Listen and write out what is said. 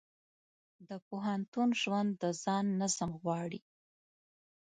د پوهنتون ژوند د ځان نظم غواړي.